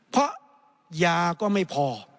เพราะยาก็ไม่พอ